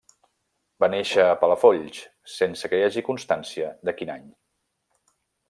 Va néixer a Palafolls, sense que hi hagi constància de quin any.